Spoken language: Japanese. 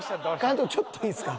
監督ちょっといいですか？